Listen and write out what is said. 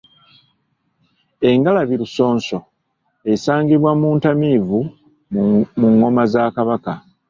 Engalabi lusonso esangibwa muntamivu mu ngoma za Kabaka.